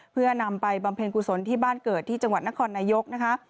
เพื่อนำไปบำเพ็ญกุศลที่บ้านเกิดที่จังหวัดนครนายกนะคะ